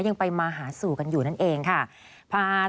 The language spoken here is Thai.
ยังไปมาหาสู่กันอยู่นั่นเองค่ะ